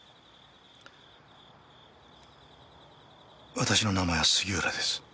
私の名前は杉浦です。